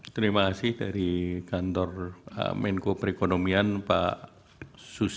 terima kasih dari kantor menko perekonomian pak susi